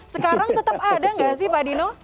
sekarang tetap ada nggak sih pak dino